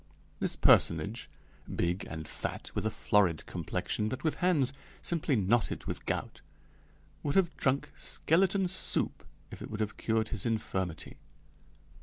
This personage, big and fat, with a florid complexion, but with hands simply knotted with gout, would have drunk skeleton soup if it would have cured his infirmity.